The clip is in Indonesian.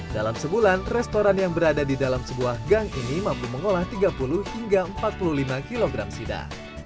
dalam sebulan restoran yang berada di dalam sebuah gang ini mampu mengolah tiga puluh hingga empat puluh lima kg sidat